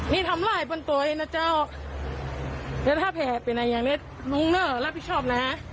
นี่ทำลายบนตัวเองนะเจ้าแล้วถ้าแผลเป็นอะไรอย่างเนี้ยน้องเนอร์รับผิดชอบนะ